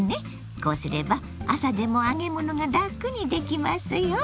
こうすれば朝でも揚げ物がラクにできますよ。